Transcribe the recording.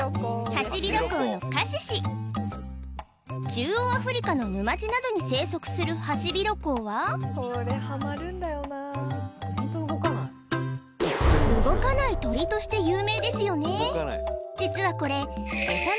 ハシビロコウのカシシ中央アフリカの沼地などに生息するハシビロコウは動かない鳥として有名ですよね